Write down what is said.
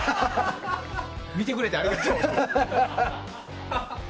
見てくれてありがとう。